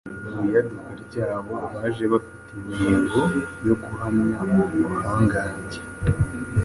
Mu iyaduka ryabo, baje bafite intego yo guhamya ubuhangange